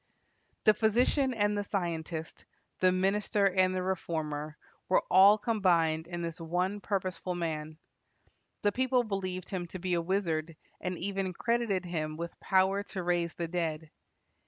The physician and the scientist, the minister and the reformer, were all combined in this one purposeful man. The people believed him to be a wizard, and even credited him with power to raise the dead.